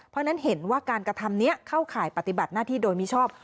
เพราะฉะนั้นเห็นว่าการกระทำนี้เข้าข่ายปฏิบัติหน้าที่โดยมิชอบ